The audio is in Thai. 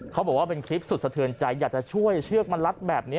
เขาบอกว่าเป็นคลิปสุดสะเทือนใจอยากจะช่วยเชือกมันรัดแบบนี้